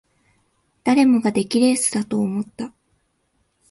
誰もが出来レースだと思った